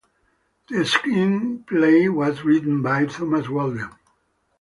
The screenplay was written by Thomas Walden.